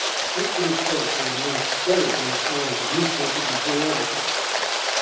Much of his poetry remains buried in the columns of newspapers and periodicals.